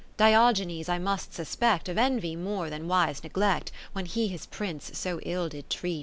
Diogenes I must suspect Of envy more than wise neglect, 40 \\Tien he his Prince so ill did treat.